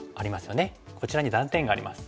こちらに断点があります。